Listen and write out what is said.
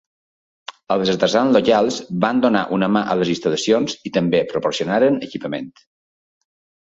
Els artesans locals van donar una mà a les instal·lacions i també proporcionaren equipament.